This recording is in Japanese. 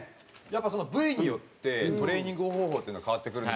やっぱりその部位によってトレーニング方法っていうのが変わってくる。